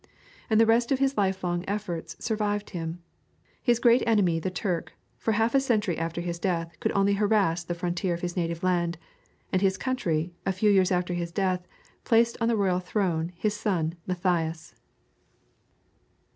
And the result of his lifelong efforts survived him. His great enemy the Turk for half a century after his death could only harass the frontier of his native land; and his country, a few years after his death placed on the royal throne his son Matthias.